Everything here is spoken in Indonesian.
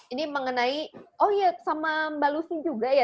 ini mengenai oh iya sama mbak lucy juga ya